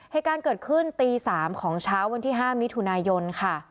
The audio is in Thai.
เหตุการณ์เกิดขึ้นตี๓ของเช้าวันที่๕มิถุนายนค่ะ